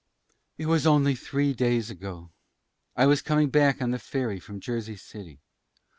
"It was only three days ago. I was coming back on the ferry from Jersey City.